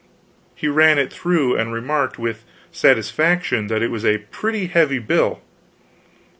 He ran it through, and remarked with satisfaction that it was a pretty heavy bill.